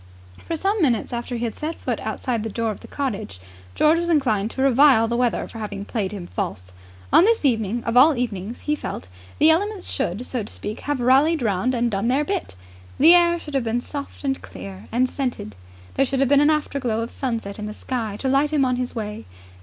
For some minutes after he had set foot outside the door of the cottage, George was inclined to revile the weather for having played him false. On this evening of all evenings, he felt, the elements should, so to speak, have rallied round and done their bit. The air should have been soft and clear and scented: there should have been an afterglow of sunset in the sky to light him on his way.